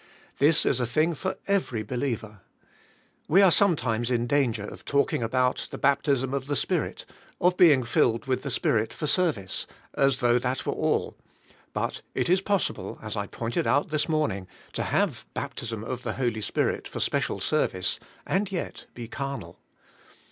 This is a thing for every believer. We are sometimes in danger of talking* about the baptism of the Spirit, of being filled with the Spirit for service, as though that were all, but it is possible, as I pointed out this morning, to have baptism of the Holy Spirit for special service and yet be carnal.